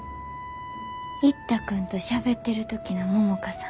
一太君としゃべってる時の百花さん